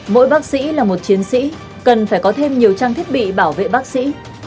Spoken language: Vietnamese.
mỗi bác sĩ là một chiến sĩ cần phải có thêm nhiều trang thiết bị bảo vệ bác sĩ